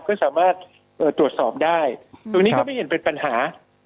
ก็สามารถตรวจสอบได้ตรงนี้ก็ไม่เห็นเป็นปัญหา